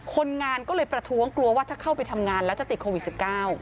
คนงานก็เลยประท้วงกลัวว่าถ้าเข้าไปทำงานแล้วจะติดโควิด๑๙